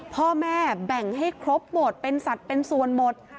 พ่อแม่แบ่งให้ครบหมดเป็นสัตว์เป็นส่วนหมด